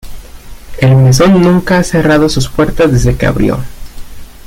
El mesón nunca ha cerrado sus puertas desde que abrió.